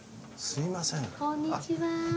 すいません。